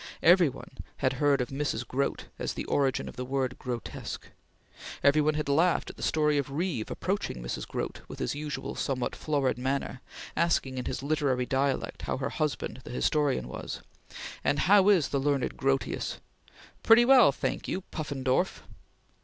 Every one had heard of Mrs. Grote as "the origin of the word grotesque." Every one had laughed at the story of Reeve approaching Mrs. Grote, with his usual somewhat florid manner, asking in his literary dialect how her husband the historian was: "And how is the learned Grotius?" "Pretty well, thank you, Puffendorf!"